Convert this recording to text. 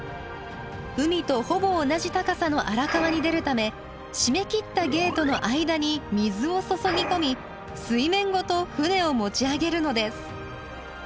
海とほぼ同じ高さの荒川に出るため閉めきったゲートの間に水を注ぎ込み水面ごと船を持ち上げるのです。